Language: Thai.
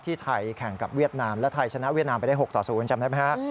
ไทยแข่งกับเวียดนามและไทยชนะเวียดนามไปได้๖ต่อ๐จำได้ไหมฮะ